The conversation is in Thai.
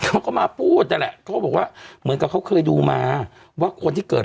เขาก็มาพูดนั่นแหละเขาก็บอกว่าเหมือนกับเขาเคยดูมาว่าคนที่เกิด